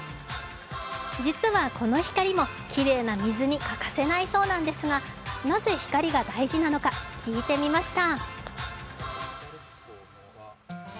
実は、この光もきれいな水に欠かせないそうなんですが、なぜ光が大事なのか聞いてみました。